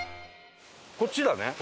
こっちだね。